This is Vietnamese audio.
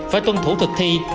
phải tuân thủ thực thi